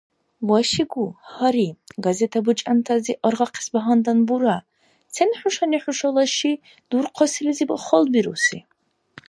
Вашигу, гьари, газета бучӀантази аргъахъес багьандан, бура: сен хӀушани хӀушала ши дурхъасилизи халбируси?